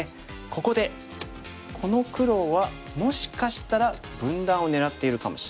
ここでこの黒はもしかしたら分断を狙ってるかもしれない。